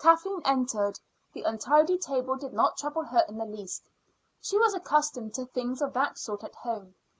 Kathleen entered. The untidy table did not trouble her in the least; she was accustomed to things of that sort at home.